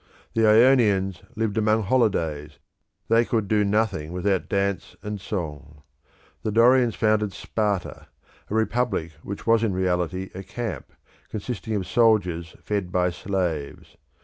The Ionians lived among holidays, they could do nothing without dance and song. The Dorians founded Sparta, a republic which was in reality a camp, consisting of soldiers fed by slaves.